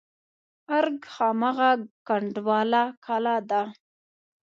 ارګ هماغه کنډواله کلا ده.